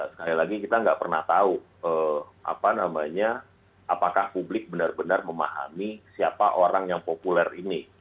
sekali lagi kita nggak pernah tahu apakah publik benar benar memahami siapa orang yang populer ini